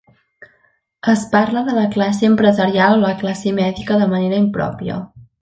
Es parla de la classe empresarial o la classe mèdica de manera impròpia.